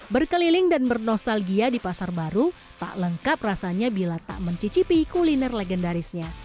berkeliling dan bernostalgia di pasar baru tak lengkap rasanya bila tak mencicipi kuliner legendarisnya